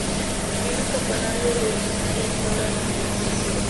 Tiene un campanario de espadaña.